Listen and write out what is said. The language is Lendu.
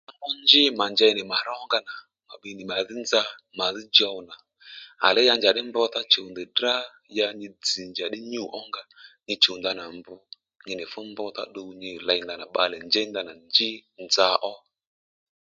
Nza ó njí mà njey nì mà rónga nà mà bbi nì màdhí nza màdhí djow nà à lè ya njàddi mb tá chùw ndèy drǎ ya nyi dzz̀ njàddí nyû ónga nyi chùw ndanà mb nyi nì fú mb tá tduw nyi nì ley ndanà bbalè njéy ndanà njí nza ó